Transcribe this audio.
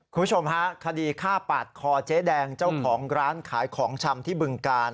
คุณผู้ชมฮะคดีฆ่าปาดคอเจ๊แดงเจ้าของร้านขายของชำที่บึงกาล